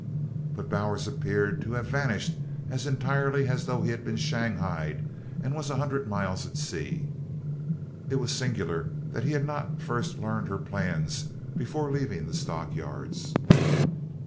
But Bowers appeared to have vanished as entirely as though he had been shanghaied and was a hundred miles at sea. It was singular that he had not first learned her plans before leaving the stockyards.